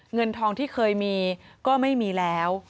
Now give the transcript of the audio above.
เงินทองที่เคยมีก็ไม่มีแล้ว